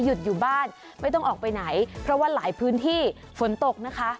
หยุดอยู่บ้านไม่ต้องออกไปไหนเพราะว่าหลายพื้นที่ฝนตกนะคะ